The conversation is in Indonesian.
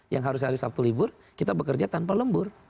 yang harus hari sabtu libur kita bekerja tanpa lembur